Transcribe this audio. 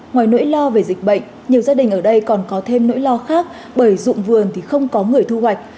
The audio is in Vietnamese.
ngoài nỗi lo về dịch bệnh nhiều gia đình ở đây còn có thêm nỗi lo khác bởi dụng vườn thì không có người thu hoạch